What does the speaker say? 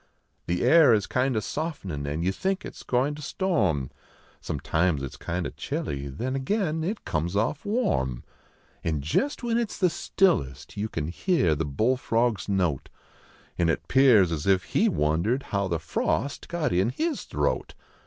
The air is kind o soft nin and yon think it s goin to storm ; Sometimes it s kind o chilly, then again it comes off warm ; An jest when it s the stillest you can hear the bullfrog s note, An it pears as if he wonder d how the frost got in his throat.